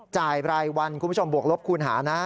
รายวันคุณผู้ชมบวกลบคูณหานะ